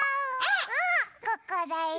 ここだよ。